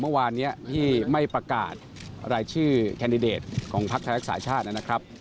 เมื่อวานเนี่ยที่ไม่ประกาศรายชื่อแคนดิเดตของพรรคศาสตร์ชาตินะครับ